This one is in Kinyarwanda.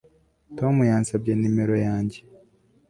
Tom yansabye nimero yanjye